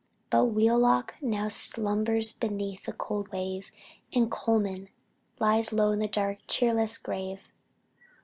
But Wheelock now slumbers beneath the cold wave, And Colman lies low in the dark cheerless grave.